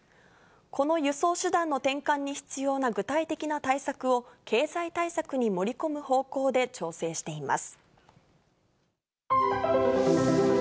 この輸送手段の転換に必要な具体的な対策を、経済対策に盛り込む方向で調整しています。